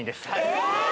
え！